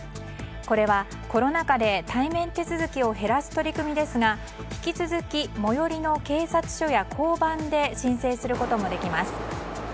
これはコロナ禍で対面手続きを減らす取り組みですが、引き続き最寄りの警察署や交番で申請することもできます。